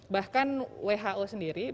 bahkan who sendiri badan kesehatan dunia